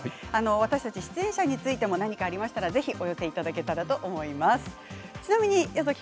私たち出演者についても何かありましたらぜひお寄せいただけたらと思います。